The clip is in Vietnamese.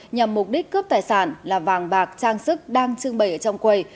nhằm mục đích cướp tài sản là vàng bạc trang sức đang trưng bày ở trong quầy